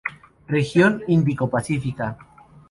Región Índo-Pacífica.